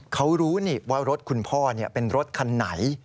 เขารู้นี่ว่ารถคุณพ่อเป็นรถคันไหน